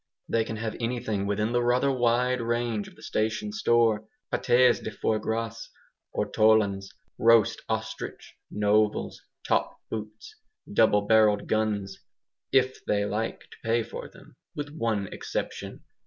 They can have anything within the rather wide range of the station store. PATES DE FOIE GRAS, ortolans, roast ostrich, novels, top boots, double barrelled guns, IF THEY LIKE TO PAY FOR THEM with one exception.